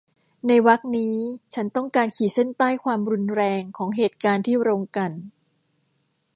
ในวรรคนี้ฉันต้องการขีดเส้นใต้ความรุนแรงของเหตุการณ์ที่โรงกลั่น